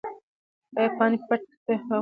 ایا پاني پت ته بیا افغانان تللي دي؟